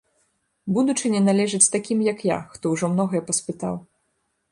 Будучыня належыць такім, як я, хто ўжо многае паспытаў.